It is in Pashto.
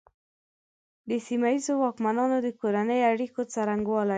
د سیمه ییزو واکمنانو د کورنیو اړیکو څرنګوالي.